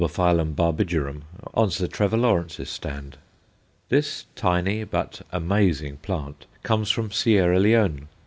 barbigerum_ on Sir Trevor Lawrence's stand. This tiny but amazing plant comes from Sierra Leone.